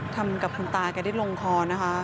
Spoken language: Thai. ทำกับคุณตาแกได้ลงคอนะคะ